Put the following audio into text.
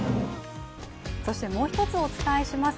そしてもう一つお伝えします。